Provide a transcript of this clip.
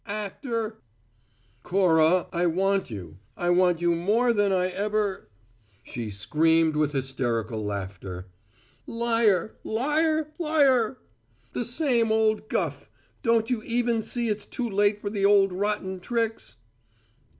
"Actor!" "Cora, I want you. I want you more than I ever " She screamed with hysterical laughter. "Liar, liar, liar! The same old guff. Don't you even see it's too late for the old rotten tricks?"